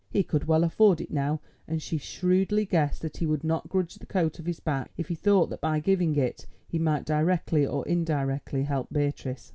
He could well afford it now, and she shrewdly guessed that he would not grudge the coat off his back if he thought that by giving it he might directly or indirectly help Beatrice.